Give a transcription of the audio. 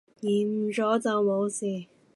延誤左就無事